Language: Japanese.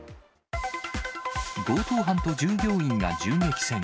強盗犯と従業員が銃撃戦。